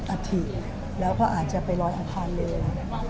อาถีร์แล้วเขาอาจจะไปรอยอังพาร์ฐเร็ว